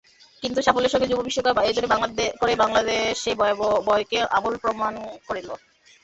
কিন্তু সাফল্যের সঙ্গে যুব বিশ্বকাপ আয়োজন করে বাংলাদেশ সেই ভয়কে অমূলক প্রমাণ করল।